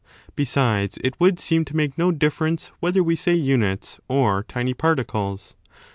Besides, it would seem to make no difference whether we Say units or tiny particles.